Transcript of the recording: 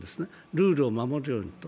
ルールを守るようにと。